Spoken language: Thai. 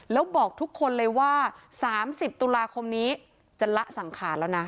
แล้วบอกทุกคนเลยว่า๓๐ตุลาคมนี้จะละสังขารแล้วนะ